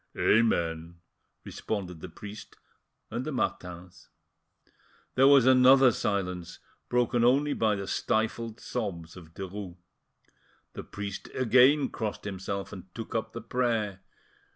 "Amen," responded the priest and the Martins. There was another silence, broken only by the stifled sobs of Derues. The priest again crossed himself and took up the prayer.